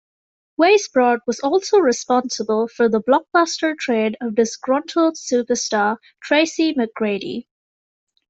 Weisbrod was also responsible for the blockbuster trade of disgruntled superstar Tracy McGrady.